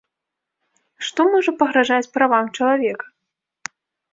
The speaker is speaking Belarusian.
Што можа пагражаць правам чалавека?